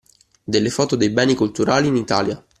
Delle foto dei beni culturali in Italia.